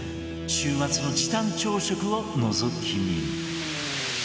週末の時短朝食をのぞき見。